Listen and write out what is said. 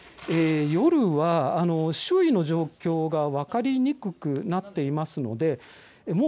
夜は周囲の状況が分かりにくくなっていますのでもう